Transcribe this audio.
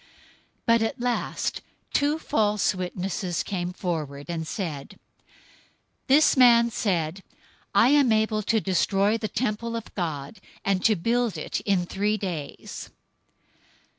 But at last two false witnesses came forward, 026:061 and said, "This man said, 'I am able to destroy the temple of God, and to build it in three days.'"